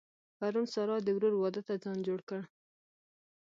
پرون سارا د ورور واده ته ځان جوړ کړ.